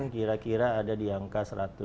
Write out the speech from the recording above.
kira kira ada diangka